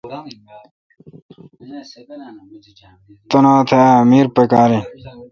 تاٹھ اؘ امیر پکار این اؘ۔